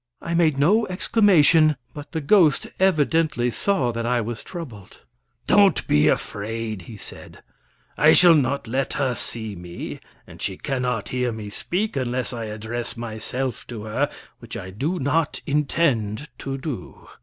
I made no exclamation, but the ghost evidently saw that I was troubled. "Don't be afraid," he said "I shall not let her see me; and she cannot hear me speak unless I address myself to her, which I do not intend to do."